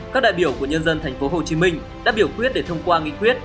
các đại biểu của nhân dân thành phố hồ chí minh đã biểu quyết để thông qua nghị quyết